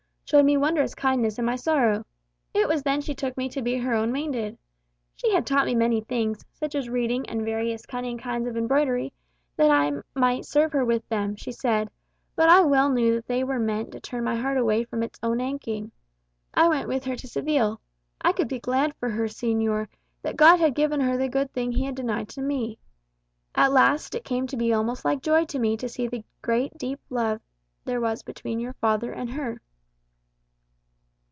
showed me wondrous kindness in my sorrow. It was then she took me to be her own maiden. She had me taught many things, such as reading and various cunning kinds of embroidery, that I might serve her with them, she said; but I well knew they were meant to turn my heart away from its own aching. I went with her to Seville. I could be glad for her, señor, that God had given her the good thing he had denied to me. At last it came to be almost like joy to me to see the great deep love there was between your father and her."